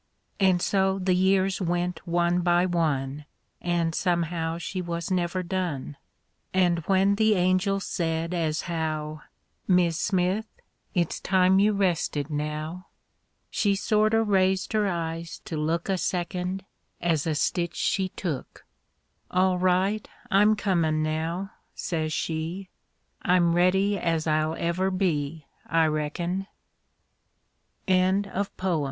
And so the years went one by one. An' somehow she was never done; An' when the angel said, as how " Mis' Smith, it's time you rested now," She sorter raised her eyes to look A second, as a^ stitch she took; All right, I'm comin' now," says she, I'm ready as I'll ever be, I reckon," Albert Bigelow Paine.